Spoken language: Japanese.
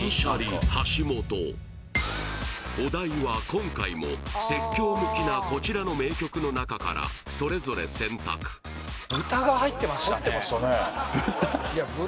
お題は今回も説教向きなこちらの名曲の中からそれぞれ選択「豚」が入ってましたね入ってましたね「豚」？